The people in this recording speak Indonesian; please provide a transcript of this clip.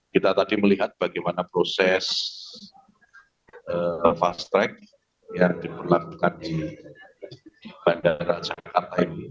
kita tadi melihat bagaimana proses fast track yang diberlakukan di bandara jakarta ini